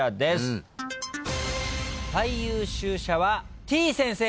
最優秀者はてぃ先生です。